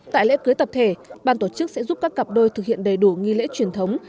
tại lễ cưới tập thể ban tổ chức sẽ giúp các cặp đôi thực hiện đầy đủ nghi lễ truyền thống